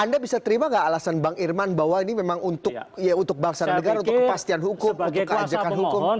tapi memang tidak alasan bung irman bahwa ini memang untuk bangsa negara untuk kepastian hukum untuk keajakan hukum